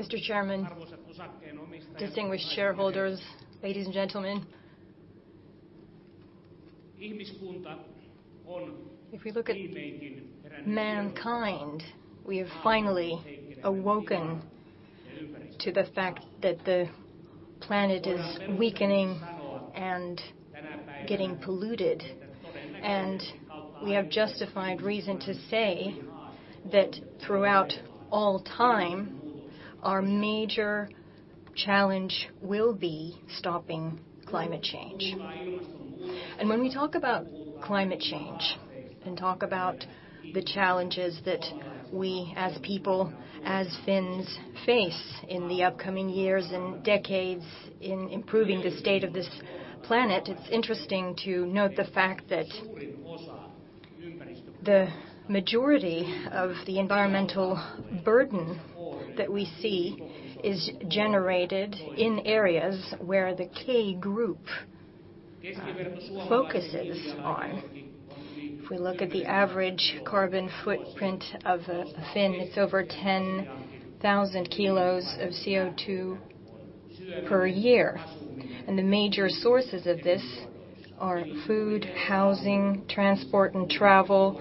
Mr. Chairman, distinguished shareholders, ladies and gentlemen. We have finally awoken to the fact that the planet is weakening and getting polluted, and we have justified reason to say that throughout all time, our major challenge will be stopping climate change. When we talk about climate change and talk about the challenges that we as people, as Finns, face in the upcoming years and decades in improving the state of this planet, it's interesting to note the fact that the majority of the environmental burden that we see is generated in areas where the K Group focuses on. If we look at the average carbon footprint of a Finn, it's over 10,000 kilos of CO2 per year, and the major sources of this are food, housing, transport, and travel.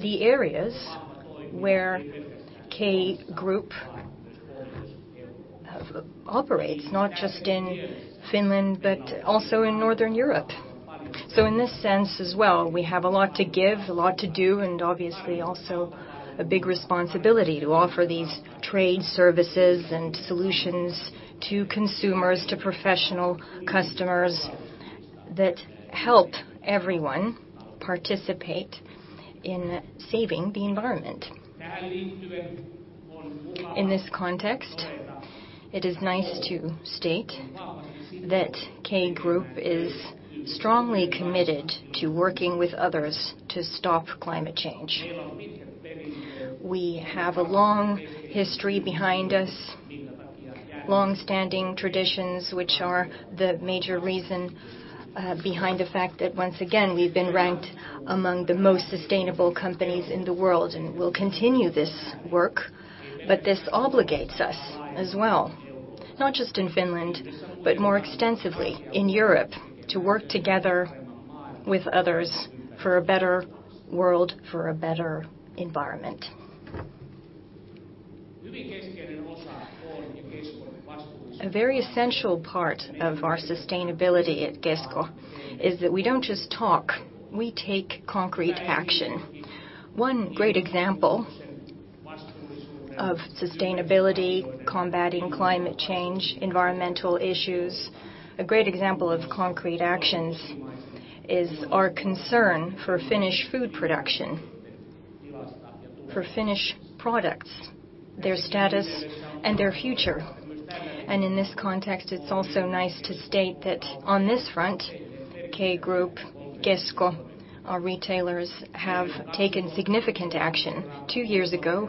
The areas where K Group operates, not just in Finland but also in Northern Europe. In this sense as well, we have a lot to give, a lot to do, and obviously also a big responsibility to offer these trade services and solutions to consumers, to professional customers, that help everyone participate in saving the environment. In this context, it is nice to state that K Group is strongly committed to working with others to stop climate change. We have a long history behind us, long-standing traditions, which are the major reason behind the fact that, once again, we've been ranked among the most sustainable companies in the world, and we'll continue this work. This obligates us as well, not just in Finland, but more extensively in Europe, to work together with others for a better world, for a better environment. A very essential part of our sustainability at Kesko is that we don't just talk, we take concrete action. One great example of sustainability, combating climate change, environmental issues, a great example of concrete actions is our concern for Finnish food production, for Finnish products, their status, and their future. In this context, it's also nice to state that on this front, K Group, Kesko, our retailers have taken significant action. Two years ago,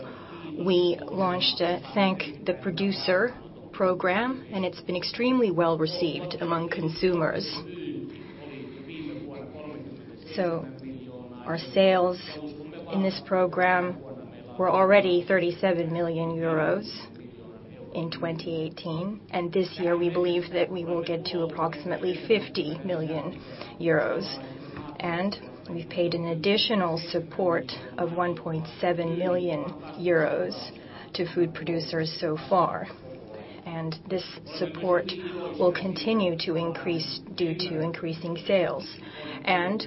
we launched a Thank the Producer program, and it's been extremely well-received among consumers. Our sales in this program were already 37 million euros in 2018, and this year we believe that we will get to approximately 50 million euros. We've paid an additional support of 1.7 million euros to food producers so far, and this support will continue to increase due to increasing sales.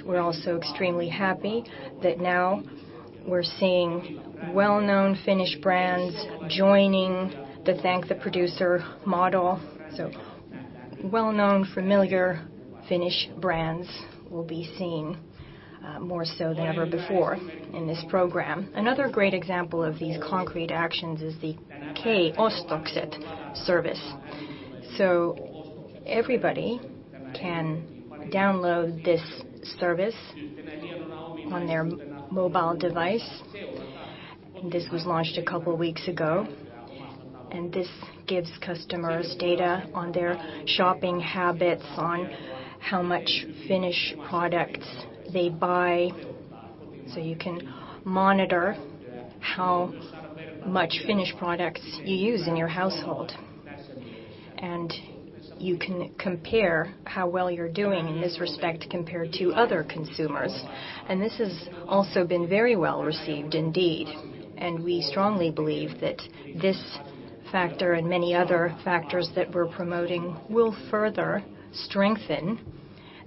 We're also extremely happy that now we're seeing well-known Finnish brands joining the Thank the Producer model. Well-known, familiar Finnish brands will be seen more so than ever before in this program. Another great example of these concrete actions is the K-Ostokset service. Everybody can download this service on their mobile device. This was launched a couple of weeks ago, and this gives customers data on their shopping habits, on how much Finnish products they buy, so you can monitor how much Finnish products you use in your household. You can compare how well you're doing in this respect compared to other consumers, and this has also been very well-received indeed. We strongly believe that this factor and many other factors that we're promoting will further strengthen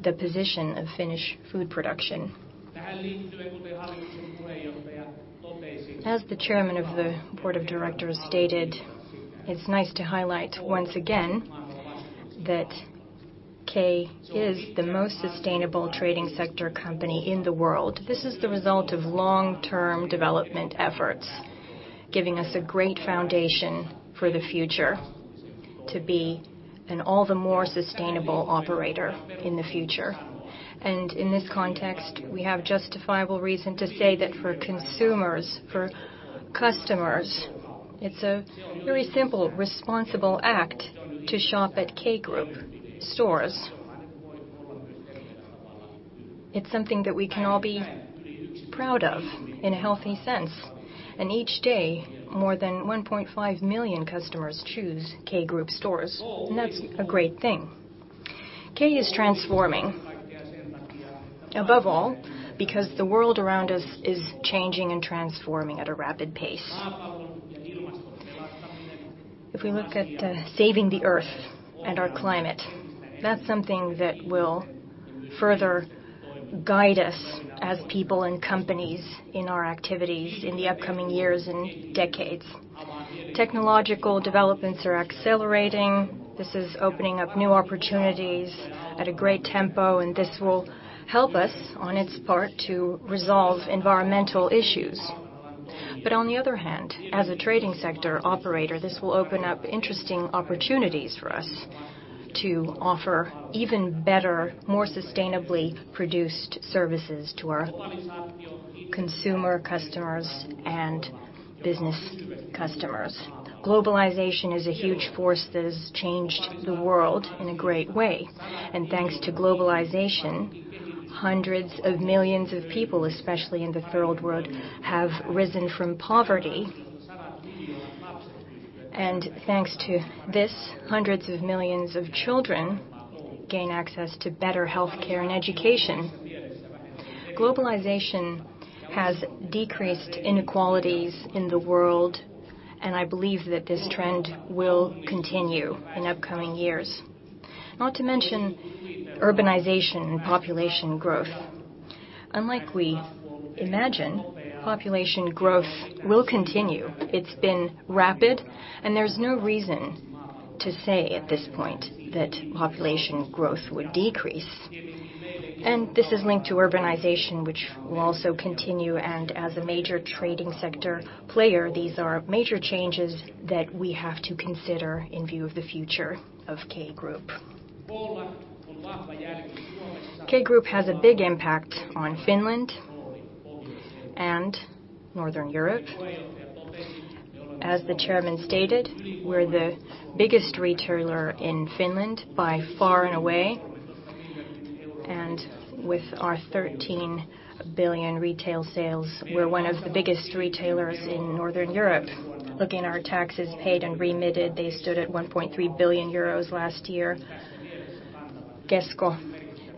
the position of Finnish food production. As the chairman of the board of directors stated, it's nice to highlight once again that K is the most sustainable trading sector company in the world. This is the result of long-term development efforts, giving us a great foundation for the future to be an all the more sustainable operator in the future. In this context, we have justifiable reason to say that for consumers, for customers, it's a very simple, responsible act to shop at K Group stores. It's something that we can all be proud of in a healthy sense. Each day, more than 1.5 million customers choose K Group stores, and that's a great thing. K is transforming, above all because the world around us is changing and transforming at a rapid pace. If we look at saving the Earth and our climate, that's something that will further guide us as people and companies in our activities in the upcoming years and decades. Technological developments are accelerating. This is opening up new opportunities at a great tempo, and this will help us on its part to resolve environmental issues. On the other hand, as a trading sector operator, this will open up interesting opportunities for us to offer even better, more sustainably produced services to our consumer customers and business customers. Globalization is a huge force that has changed the world in a great way, and thanks to globalization, hundreds of millions of people, especially in the Third World, have risen from poverty. Thanks to this, hundreds of millions of children gain access to better healthcare and education. Globalization has decreased inequalities in the world. I believe that this trend will continue in upcoming years. Not to mention urbanization and population growth. Unlike we imagine, population growth will continue. It's been rapid, and there's no reason to say at this point that population growth would decrease. This is linked to urbanization, which will also continue, and as a major trading sector player, these are major changes that we have to consider in view of the future of K Group. K Group has a big impact on Finland and Northern Europe. As the chairman stated, we're the biggest retailer in Finland by far and away, and with our 13 billion retail sales, we're one of the biggest retailers in Northern Europe. Looking at our taxes paid and remitted, they stood at 1.3 billion euros last year. Kesko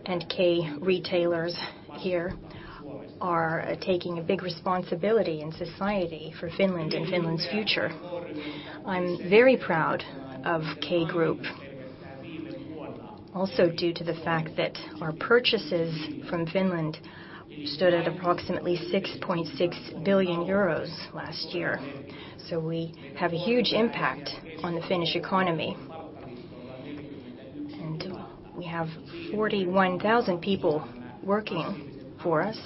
and K-retailers here are taking a big responsibility in society for Finland and Finland's future. I'm very proud of K Group also due to the fact that our purchases from Finland stood at approximately 6.6 billion euros last year, so we have a huge impact on the Finnish economy. We have 41,000 people working for us,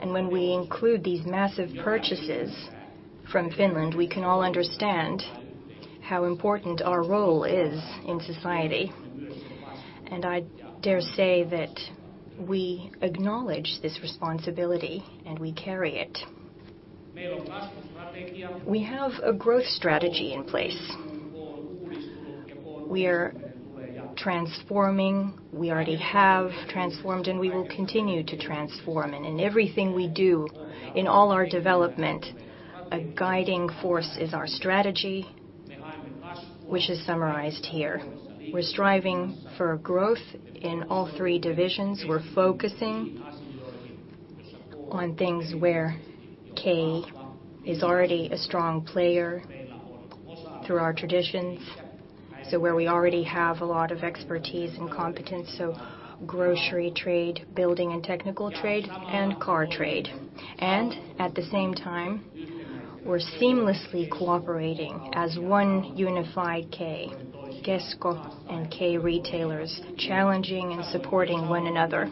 and when we include these massive purchases from Finland, we can all understand how important our role is in society. I dare say that we acknowledge this responsibility, and we carry it. We have a growth strategy in place. We are transforming, we already have transformed, and we will continue to transform. In everything we do, in all our development, a guiding force is our strategy, which is summarized here. We're striving for growth in all three divisions. We're focusing on things where K Group is already a strong player through our traditions, so where we already have a lot of expertise and competence, so grocery trade, building and technical trade, and car trade. At the same time, we're seamlessly cooperating as one unified K Group, Kesko and K-retailers challenging and supporting one another.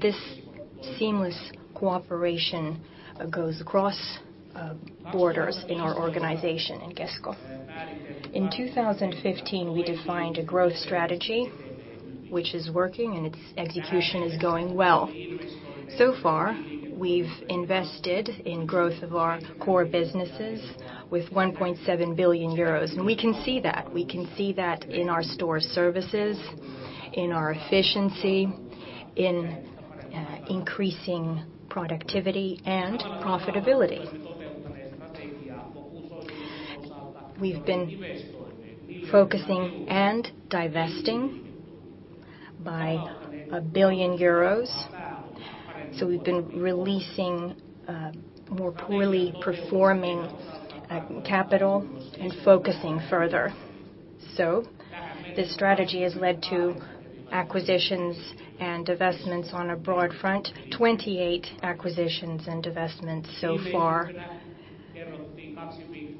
This seamless cooperation goes across borders in our organization in Kesko. In 2015, we defined a growth strategy which is working, and its execution is going well. So far, we've invested in growth of our core businesses with 1.7 billion euros, and we can see that. We can see that in our store services, in our efficiency, in increasing productivity and profitability. We've been focusing and divesting by 1 billion euros, so we've been releasing more poorly performing capital and focusing further. This strategy has led to acquisitions and divestments on a broad front, 28 acquisitions and divestments so far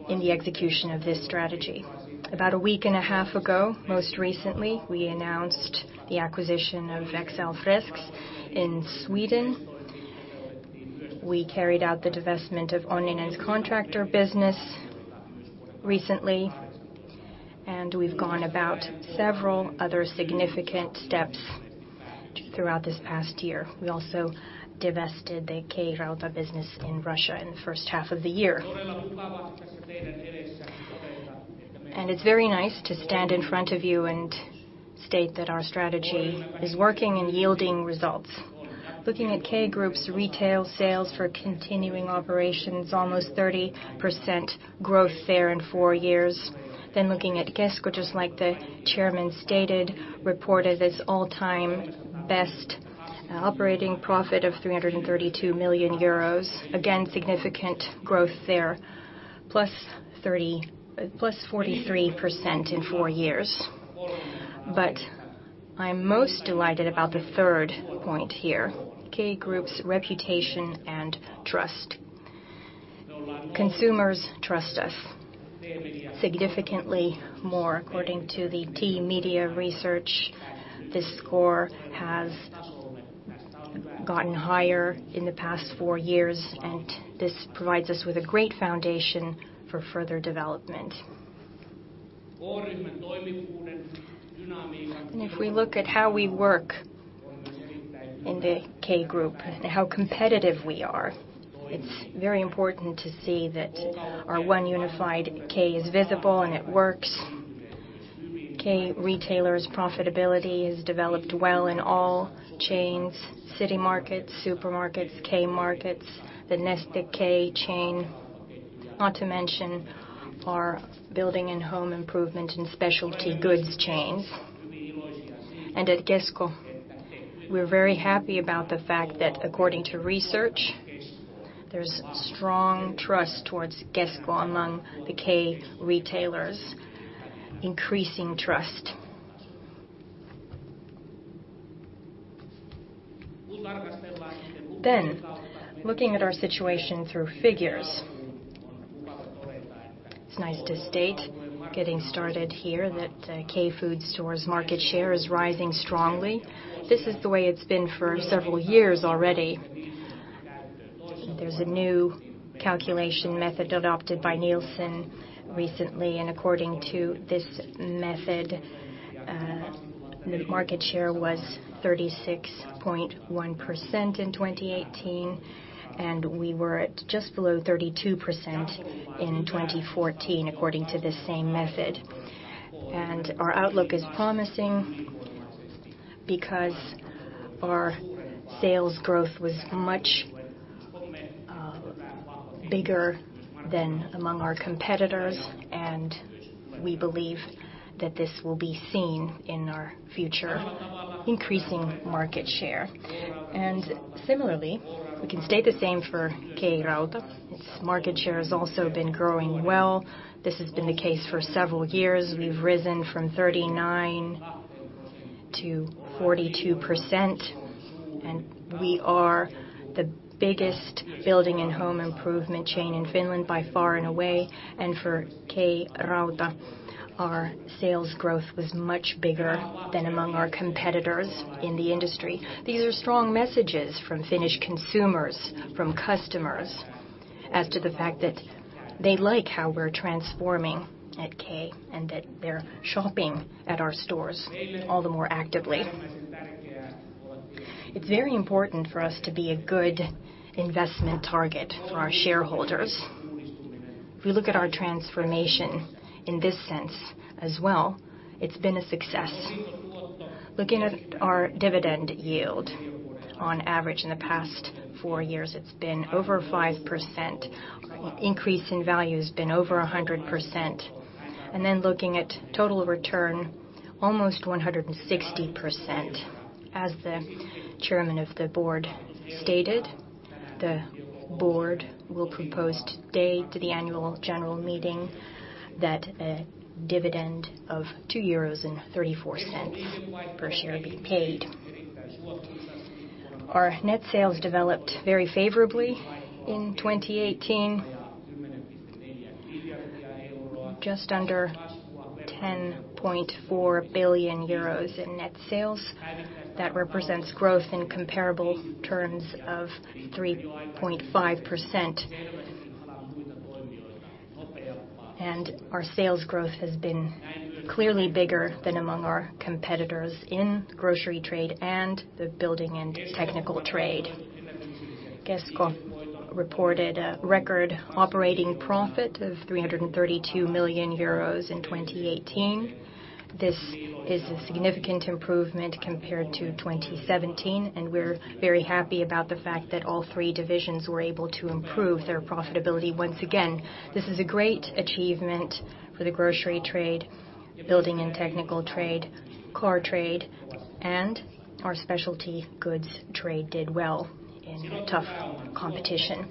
in the execution of this strategy. About a week and a half ago, most recently, we announced the acquisition of XL-BYGG in Sweden. We carried out the divestment of Onninen's contractor business recently, and we've gone about several other significant steps throughout this past year. We also divested the K-Rauta business in Russia in the first half of the year. It's very nice to stand in front of you and state that our strategy is working and yielding results. Looking at K Group's retail sales for continuing operations, almost 30% growth there in four years. Looking at Kesko, just like the chairman stated, reported its all-time best operating profit of 332 million euros. Again, significant growth there, plus 43% in four years. I'm most delighted about the third point here, K Group's reputation and trust. Consumers trust us significantly more according to the T-Media research. This score has gotten higher in the past four years, and this provides us with a great foundation for further development. If we look at how we work in the K Group, how competitive we are, it's very important to see that our one unified K Group is visible and it works. K-retailers' profitability has developed well in all chains, K-Citymarkets, K-Supermarkets, K-Markets, the Neste K chain, not to mention our building and home improvement and specialty goods chains. At Kesko, we're very happy about the fact that according to research, there's strong trust towards Kesko among the K-retailers, increasing trust. Looking at our situation through figures, it's nice to state, getting started here that K Food stores' market share is rising strongly. This is the way it's been for several years already. There's a new calculation method adopted by Nielsen recently, and according to this method, market share was 36.1% in 2018, and we were at just below 32% in 2014, according to this same method. Our outlook is promising because our sales growth was much bigger than among our competitors, and we believe that this will be seen in our future increasing market share. Similarly, we can state the same for K-Rauta. Its market share has also been growing well. This has been the case for several years. We've risen from 39%-42%, and we are the biggest building and home improvement chain in Finland by far and away. For K-Rauta, our sales growth was much bigger than among our competitors in the industry. These are strong messages from Finnish consumers, from customers, as to the fact that they like how we're transforming at K and that they're shopping at our stores all the more actively. It's very important for us to be a good investment target for our shareholders. If we look at our transformation in this sense as well, it's been a success. Looking at our dividend yield, on average in the past four years, it's been over 5%. Increase in value has been over 100%. Looking at total return, almost 160%. As the chairman of the board stated, the board will propose today to the annual general meeting that a dividend of €2.34 per share be paid. Our net sales developed very favorably in 2018. Just under 10.4 billion euros in net sales. That represents growth in comparable terms of 3.5%. Our sales growth has been clearly bigger than among our competitors in grocery trade and the building and technical trade. Kesko reported a record operating profit of 332 million euros in 2018. This is a significant improvement compared to 2017, and we're very happy about the fact that all three divisions were able to improve their profitability once again. This is a great achievement for the grocery trade, building and technical trade, car trade, and our specialty goods trade did well in a tough competition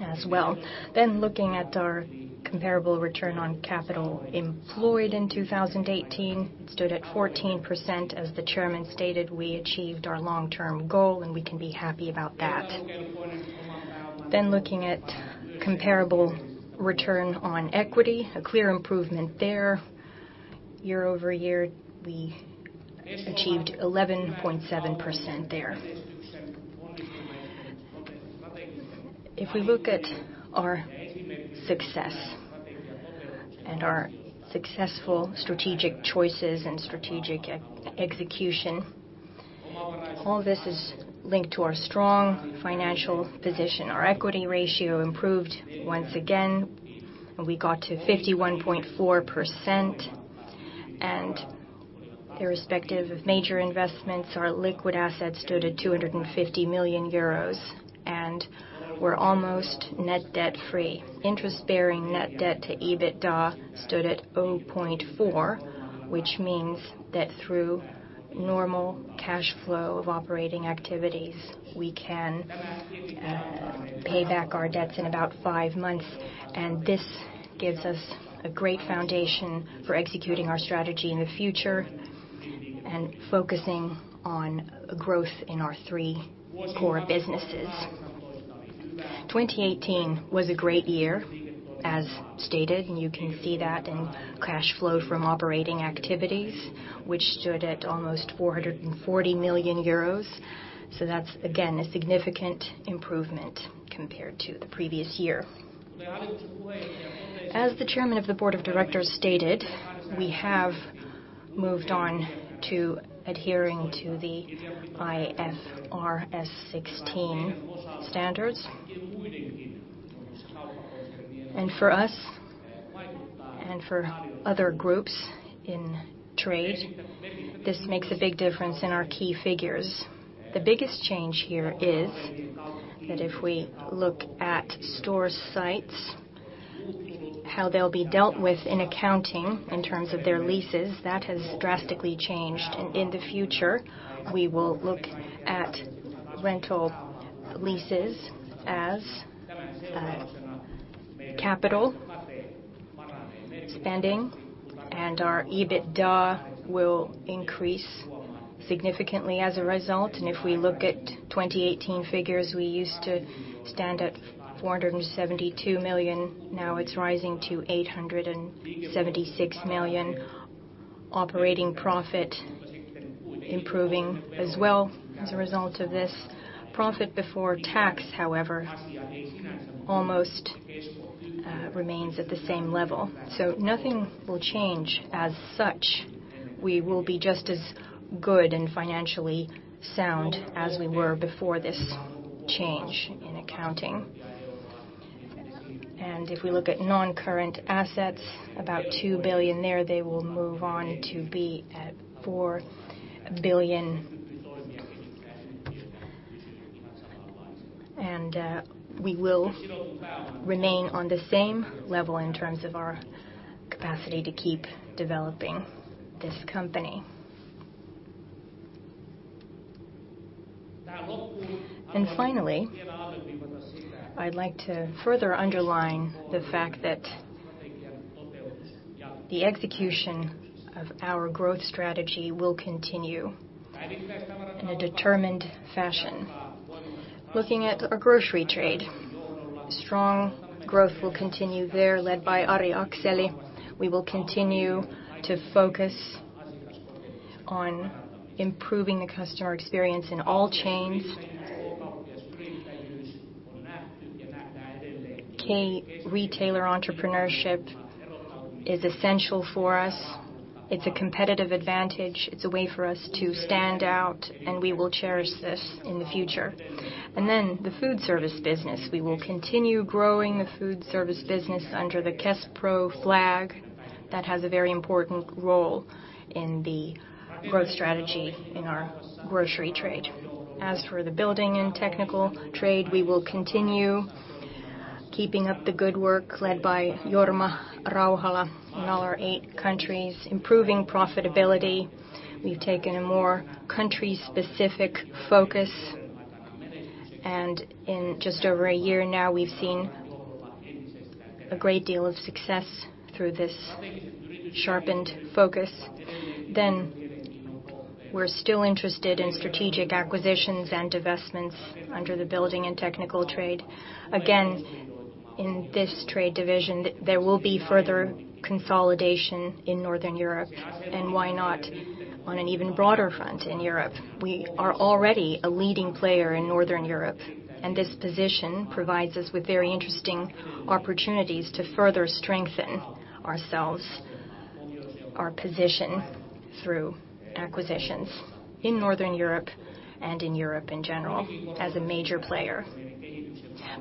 as well. Looking at our comparable return on capital employed in 2018, it stood at 14%. As the chairman stated, we achieved our long-term goal, and we can be happy about that. Looking at comparable return on equity, a clear improvement there. Year-over-year, we achieved 11.7% there. If we look at our success and our successful strategic choices and strategic execution. All this is linked to our strong financial position. Our equity ratio improved once again, and we got to 51.4%. Irrespective of major investments, our liquid assets stood at 250 million euros, and we're almost net debt-free. Interest-bearing net debt to EBITDA stood at 0.4, which means that through normal cash flow of operating activities, we can pay back our debts in about five months. This gives us a great foundation for executing our strategy in the future and focusing on growth in our three core businesses. 2018 was a great year, as stated, and you can see that in cash flow from operating activities, which stood at almost 440 million euros. That's, again, a significant improvement compared to the previous year. As the chairman of the board of directors stated, we have moved on to adhering to the IFRS 16 standards. For us, and for other groups in trade, this makes a big difference in our key figures. The biggest change here is that if we look at store sites, how they'll be dealt with in accounting in terms of their leases, that has drastically changed. In the future, we will look at rental leases as capital spending, and our EBITDA will increase significantly as a result. If we look at 2018 figures, we used to stand at 472 million, now it's rising to 876 million. Operating profit improving as well as a result of this. Profit before tax, however, almost remains at the same level. Nothing will change as such. We will be just as good and financially sound as we were before this change in accounting. If we look at non-current assets, about 2 billion there, they will move on to be at 4 billion. We will remain on the same level in terms of our capacity to keep developing this company. Finally, I'd like to further underline the fact that the execution of our growth strategy will continue in a determined fashion. Looking at our grocery trade, strong growth will continue there, led by Ari Akseli. We will continue to focus on improving the customer experience in all chains. K-retailer entrepreneurship is essential for us. It's a competitive advantage. It's a way for us to stand out, and we will cherish this in the future. Then the foodservice business, we will continue growing the foodservice business under the Kespro flag. That has a very important role in the growth strategy in our grocery trade. As for the building and technical trade, we will continue keeping up the good work led by Jorma Rauhala in all our eight countries, improving profitability. We've taken a more country-specific focus, and in just over a year now, we've seen a great deal of success through this sharpened focus. We're still interested in strategic acquisitions and divestments under the building and technical trade. Again, in this trade division, there will be further consolidation in Northern Europe, and why not on an even broader front in Europe? We are already a leading player in Northern Europe, and this position provides us with very interesting opportunities to further strengthen ourselves, our position through acquisitions in Northern Europe and in Europe in general as a major player.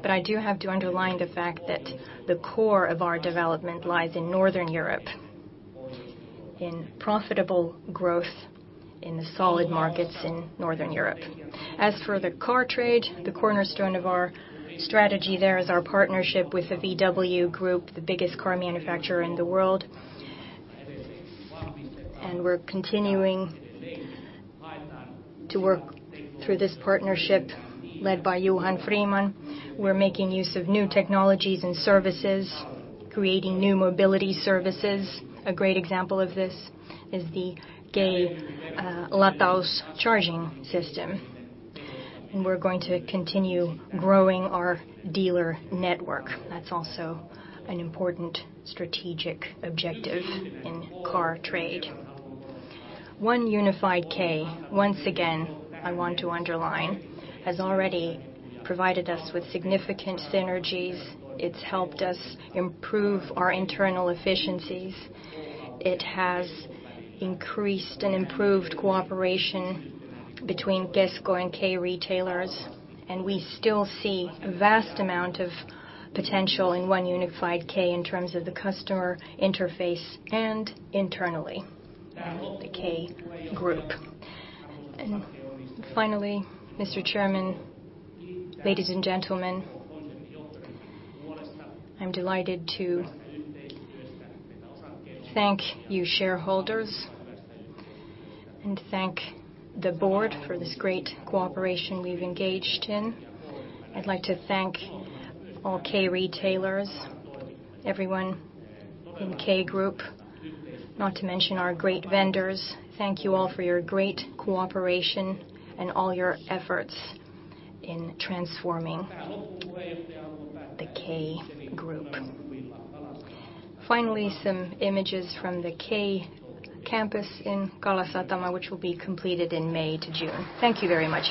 I do have to underline the fact that the core of our development lies in Northern Europe, in profitable growth in the solid markets in Northern Europe. As for the car trade, the cornerstone of our strategy there is our partnership with the VW Group, the biggest car manufacturer in the world. We're continuing to work through this partnership led by Johan Friman. We're making use of new technologies and services, creating new mobility services. A great example of this is the K-Lataus charging system. We're going to continue growing our dealer network. That's also an important strategic objective in car trade. One unified K, once again, I want to underline, has already provided us with significant synergies. It's helped us improve our internal efficiencies. It has increased and improved cooperation between Kesko and K-retailers, and we still see a vast amount of potential in one unified K in terms of the customer interface and internally in the K Group. Finally, Mr. Chairman, ladies and gentlemen, I'm delighted to thank you shareholders and thank the board for this great cooperation we've engaged in. I'd like to thank all K-retailers, everyone in K Group, not to mention our great vendors. Thank you all for your great cooperation and all your efforts in transforming the K Group. Finally, some images from the K-Kampus in Kalasatama, which will be completed in May to June. Thank you very much